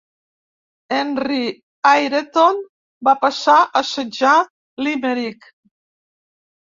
Henry Ireton, va passar a assetjar Limerick.